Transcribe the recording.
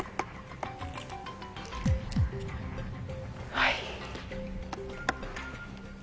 はい。